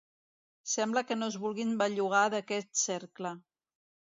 Sembla que no es vulguin bellugar d’aquest cercle.